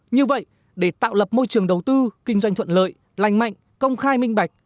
như vậy để tạo lập môi trường đầu tư kinh doanh thuận lợi lành mạnh công khai minh bạch